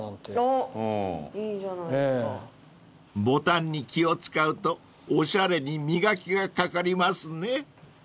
［ボタンに気を使うとおしゃれに磨きがかかりますね］